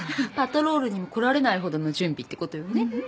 パトロールにも来られないほどの準備ってことよね。